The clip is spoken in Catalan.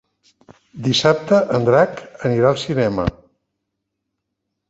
Dissabte en Drac anirà al cinema.